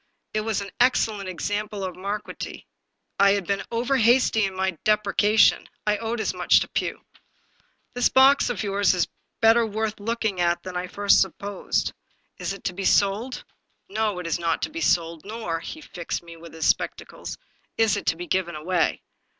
It was an excellent example of marquetry. I had been over hasty in my deprecation ; I owed as much to Pugh. " This box of yours is better worth looking at than I first supposed. Is it to be sold ?"" No, it is not to be sold. Nor "— ^he " fixed " me with his spectacles —" is it to be given away.